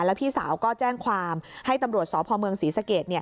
แล้วพี่สาวก็แจ้งความให้ตำรวจสพเมืองศรีสเกต